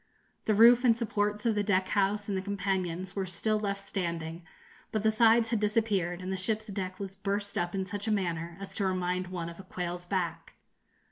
The roof and supports of the deck house and the companions were still left standing, but the sides had disappeared, and the ship's deck was burst up in such a manner as to remind one of a quail's back.